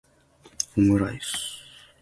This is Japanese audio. オムライス